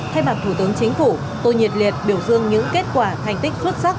thay mặt thủ tướng chính phủ tôi nhiệt liệt biểu dương những kết quả thành tích xuất sắc